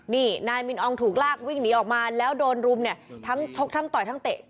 นี่นายมินอองถูกลากวิ่งหนีออกมาแล้วโดนรุมเนี่ยทั้งชกทั้งต่อยทั้งเตะ